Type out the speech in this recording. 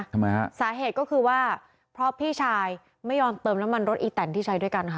ทำไมฮะสาเหตุก็คือว่าเพราะพี่ชายไม่ยอมเติมน้ำมันรถอีแตนที่ใช้ด้วยกันค่ะ